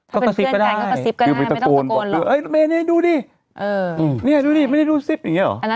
ก็กระซิบก็ได้ถ้าเป็นเพื่อนกันก็กระซิบก็ได้ไม่ต้องกระโกน